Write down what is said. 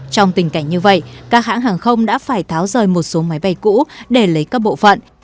trong tình cảnh như vậy các hãng hàng không đã phải tháo rời một số máy bay cũ để lấy các bộ phận